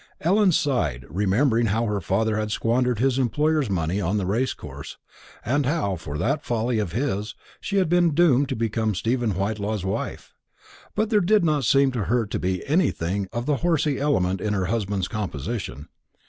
Ellen sighed, remembering how her father had squandered his employer's money on the race course, and how, for that folly of his, she had been doomed to become Stephen Whitelaw's wife. But there did not seem to her to be anything of the horsey element in her husband's composition.